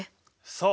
そう！